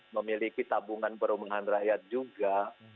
memiliki tabungan perumahan rakyat juga